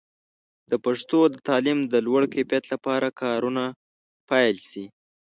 د پښتو د تعلیم د لوړ کیفیت لپاره کارونه پیل شي.